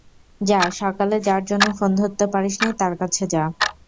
যা, সকালে যার জন্য ফোন ধরতে পারিস নাই, তার কাছে যা।